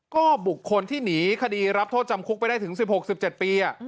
ก็บุคคลที่หนีคดีรับโทษจำคุกไปได้ถึง๑๖๑๗ปี